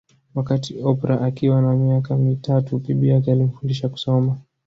Wakati Oprah Akiwa na miaka mitatu bibi yake alimfundisha kusoma